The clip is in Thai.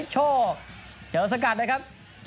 เจอสกัดนะครับ